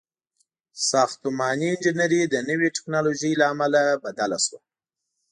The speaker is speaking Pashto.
• ساختماني انجینري د نوې ټیکنالوژۍ له امله بدله شوه.